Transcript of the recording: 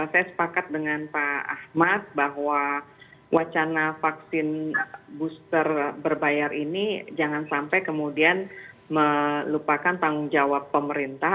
saya sepakat dengan pak ahmad bahwa wacana vaksin booster berbayar ini jangan sampai kemudian melupakan tanggung jawab pemerintah